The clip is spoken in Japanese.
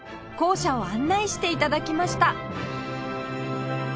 校舎を案内して頂きました